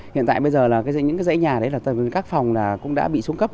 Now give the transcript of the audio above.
hiện tại bây giờ là những dãy nhà đấy là tầng các phòng cũng đã bị xuống cấp